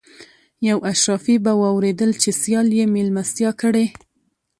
یو اشرافي به واورېدل چې سیال یې مېلمستیا کړې.